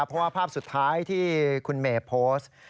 เพราะว่าภาพสุดท้ายที่คุณเมย์โพสต์